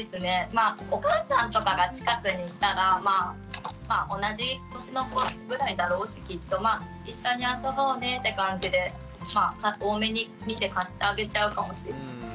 まあお母さんとかが近くにいたらまあ同じ年の子ぐらいだろうしきっとまあって感じで大目に見て貸してあげちゃうかもしれないです。